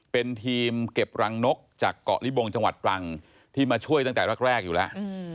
เป็นทีมเก็บรังนกจากเกาะลิบงจังหวัดตรังที่มาช่วยตั้งแต่แรกอยู่แล้ว